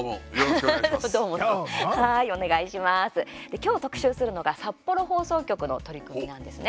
今日、特集するのが札幌放送局の取り組みなんですね。